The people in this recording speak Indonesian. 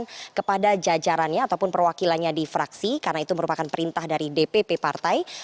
kepada jajarannya ataupun perwakilannya di fraksi karena itu merupakan perintah dari dpp partai